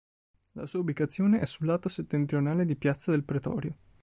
La sua ubicazione è sul lato settentrionale di Piazza del Pretorio.